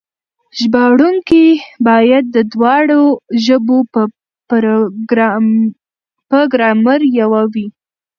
ژباړونکي بايد د دواړو ژبو په ګرامر پوه وي.